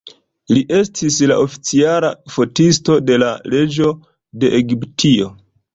Li estis la oficiala fotisto de la reĝo de Egiptio.